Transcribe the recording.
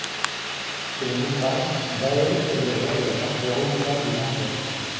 Selon l'ouvrage, Bael est le roi de la partie orientale des Enfers.